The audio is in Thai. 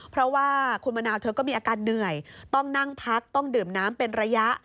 เพราะว่าคุณมะนาวเธอก็มีอาการเหนื่อยต้องนั่งพักต้องดื่มน้ำเป็นระยะ